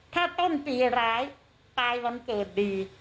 ถ้าต้นปีร้ายตายวันเกิดดี